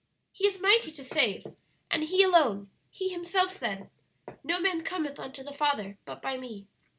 "'He is mighty to save,' and He alone; He Himself said, 'No man cometh unto the Father, but by Me.'